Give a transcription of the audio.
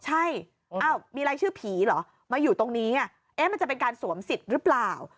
ใช่มีรายชื่อผีเหรอมาอยู่ตรงนี้มันจะเป็นการสวมสิทธิ์หรือเปล่า